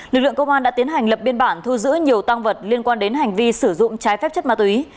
lực lượng công an đã tiến hành lập biên bản thu giữ nhiều tăng vật liên quan đến hành vi sử dụng trái phép chất ma túy